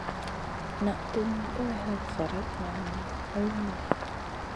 Naʼ tunum goy hay zlaratna ma ŋulona.